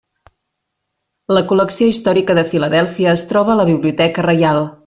La col·lecció històrica de Filadèlfia es troba a la Biblioteca Reial.